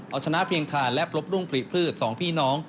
เอาชนะเพียงทานและพบรุ่งผลิตพืช๒พี่น้อง